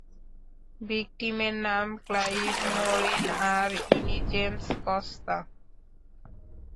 ভিক্টিমের নাম Clive Morin আর ইনি জেমস কস্তা।